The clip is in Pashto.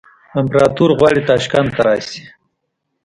امپراطور غواړي ته تاشکند ته راشې.